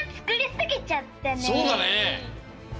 そうだね。